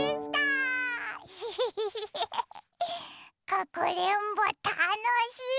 かくれんぼたのしい！